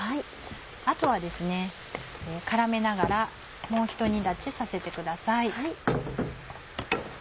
あとはですね絡めながらもうひと煮立ちさせてください。